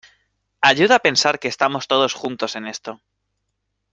ayuda pensar que estamos todos juntos en esto